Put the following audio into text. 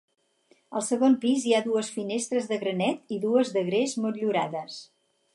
Al segon pis hi ha dues finestres de granet i dues de gres motllurades.